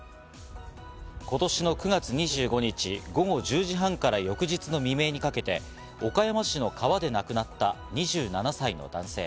今年の９月２５日午後１０時半から翌日の未明にかけて岡山市の川で亡くなった２７歳の男性。